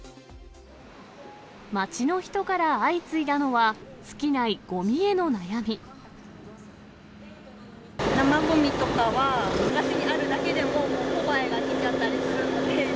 街の人から相次いだのは、生ごみとかは、流しにあるだけで、もうコバエが来ちゃったりするので。